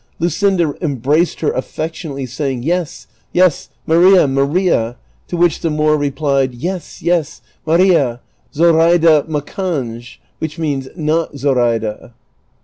Luscinda embraced her affectionately, saying, " Yes, yes, Maria, Maria," to which the Moor replied, " Yes, yes, Maria ; Zoraida macange," ^ which means '< not Zoraida."